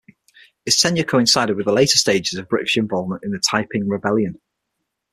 His tenure coincided with the later stages of British involvement in the Taiping Rebellion.